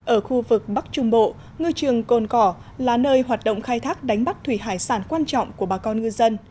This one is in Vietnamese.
ở khu vực bắc trung bộ ngư trường côn cỏ là nơi hoạt động khai thác đánh bắt thủy hải sản quan trọng của bà con ngư dân